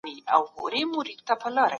راتلونکي نسلونه به زموږ قضاوت کوي.